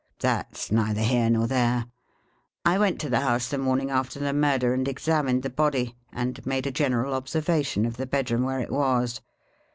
" That 's neither here nor there. I went to the house the morning after the murder, and examined the body, and made a general ob servation of the bedroom where it was.